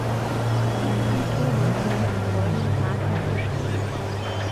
Diese Symptome können am folgenden Tag noch bestehen.